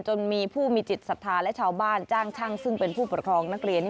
จนมีผู้มีจิตศรัทธาและชาวบ้านจ้างช่างซึ่งเป็นผู้ปกครองนักเรียน